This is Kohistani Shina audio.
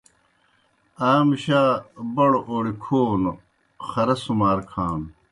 آ مُشا بڑوْ اوڑیْ کھونوْ خرہ سُمار کھانوْ۔